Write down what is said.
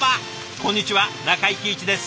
こんにちは中井貴一です。